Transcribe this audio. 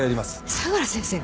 相良先生が？